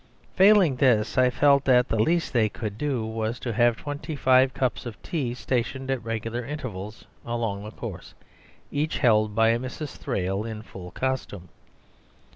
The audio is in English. Failing this, I felt that the least they could do was to have twenty five cups of tea stationed at regular intervals along the course, each held by a Mrs. Thrale in full costume.